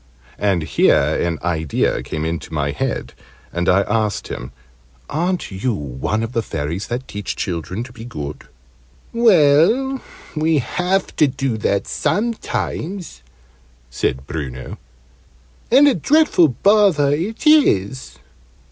And here an idea came into my head, and I asked him "Aren't you one of the Fairies that teach children to be good?" "Well, we have to do that sometimes," said Bruno, "and a dreadful bother it is."